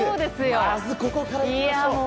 まずここからでしょう！